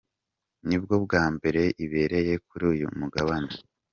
Ni bwo bwa mbere ibereye kuri uyu mugabane.